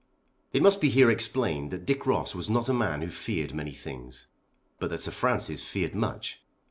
It must be here explained that Dick Ross was not a man who feared many things; but that Sir Francis feared much.